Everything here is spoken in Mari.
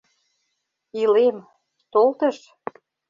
Илем, тол тыш...